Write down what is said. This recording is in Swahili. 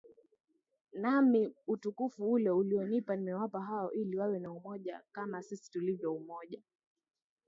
Nami utukufu ule ulionipa nimewapa wao ili wawe na umoja kama sisi tulivyo umoja